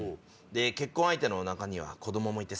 結婚相手のお腹には子供もいて。